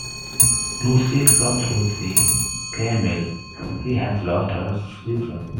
Lucile comes to see Camille; she has lost her reason.